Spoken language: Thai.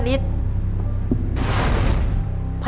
คุณยายแจ้วเลือกตอบจังหวัดนครราชสีมานะครับ